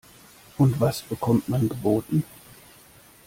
Und was bekommt man geboten?